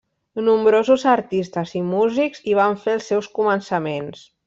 Nombrosos artistes i músics hi van fer els seus començaments.